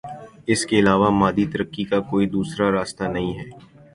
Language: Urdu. اس کے علاوہ مادی ترقی کا کوئی دوسرا راستہ نہیں ہے۔